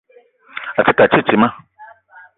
A te ke a titima.